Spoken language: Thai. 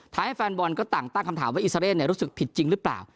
ให้แฟนบอลก็ต่างตั้งคำถามว่าอิซาเรนรู้สึกผิดจริงหรือเปล่า